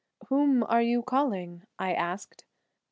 "Whom are you calling?" I asked.